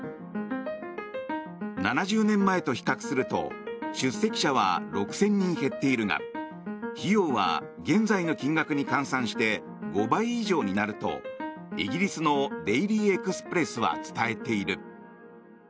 ７０年前と比較すると出席者は６０００人減っているが費用は現在の金額に換算して５倍以上になるとイギリスのデイリー・エクスプレスは伝えている。